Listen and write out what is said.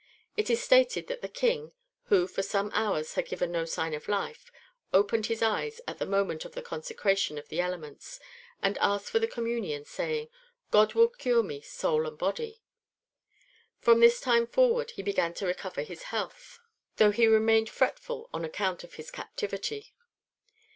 It is stated that the King, who for some hours had given no sign of life, opened his eyes at the moment of the consecration of the elements, and asked for the communion, saying, "God will cure me, soul and body." From this time forward he began to recover his health, though he remained fretful on account of his captivity.